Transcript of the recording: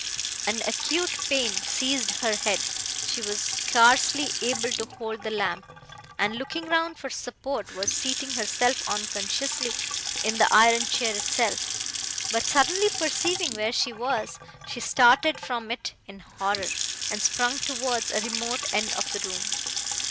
An acute pain seized her head, she was scarcely able to hold the lamp, and, looking round for support, was seating herself, unconsciously, in the iron chair itself; but suddenly perceiving where she was, she started from it in horror, and sprung towards a remote end of the room.